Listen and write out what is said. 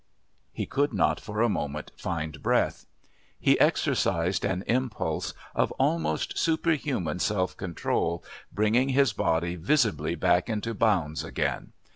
He could not for a moment find breath. He exercised an impulse of almost superhuman self control, bringing his body visibly back into bounds again.